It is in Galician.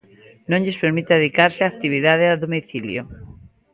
Non lles permite adicarse á actividade a domicilio.